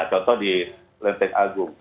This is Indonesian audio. contoh di lenteng agung